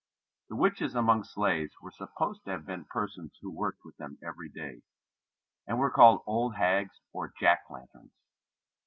The witches among slaves were supposed to have been persons who worked with them every day, and were called old hags or jack lanterns.